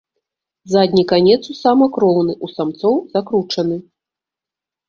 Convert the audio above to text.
Задні канец у самак роўны, у самцоў закручаны.